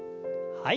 はい。